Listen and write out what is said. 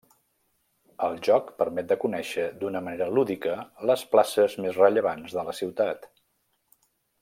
El joc permet de conèixer d'una manera lúdica les places més rellevants de la ciutat.